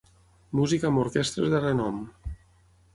Música amb orquestres de renom.